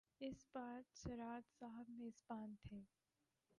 اس بار سراج صاحب میزبان تھے۔